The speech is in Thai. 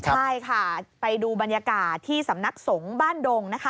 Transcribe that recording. ใช่ค่ะไปดูบรรยากาศที่สำนักสงฆ์บ้านดงนะคะ